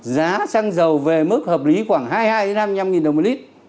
giá xăng dầu về mức hợp lý khoảng hai mươi hai hai mươi năm đồng một lít